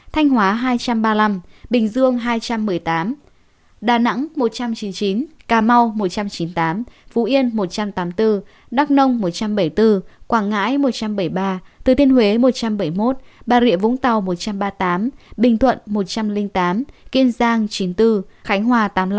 thanh hóa hai trăm ba mươi năm bình dương hai trăm một mươi tám đà nẵng một trăm chín mươi chín cà mau một trăm chín mươi tám phú yên một trăm tám mươi bốn đắk nông một trăm bảy mươi bốn quảng ngãi một trăm bảy mươi ba thừa thiên huế một trăm bảy mươi một bà rịa vũng tàu một trăm ba mươi tám bình thuận một trăm linh tám kiên giang chín mươi bốn khánh hòa tám mươi năm